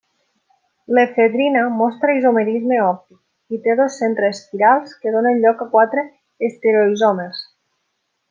L'efedrina mostra isomerisme òptic i té dos centres quirals que donen lloc a quatre estereoisòmers.